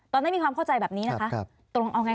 ตอนนั้นไม่มีความเข้าใจแบบนี้นะคะ